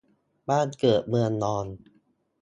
บ้านเกิดเมืองนอน